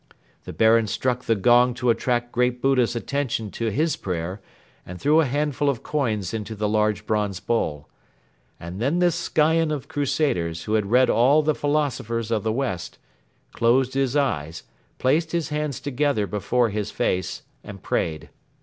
The Baron struck the gong to attract Great Buddha's attention to his prayer and threw a handful of coins into the large bronze bowl. And then this scion of crusaders who had read all the philosophers of the West, closed his eyes, placed his hands together before his face and prayed.